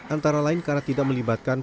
antara lain karena tidak melibatkan